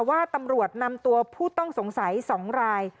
ว่าตำรวจนำตัวผู้ต้องสงสัย๒ราย